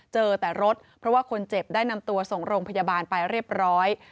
เจอแต่รถเพราะว่าคนเจ็บได้นำตัวส่งโรงพยาบาลไปเรียบร้อย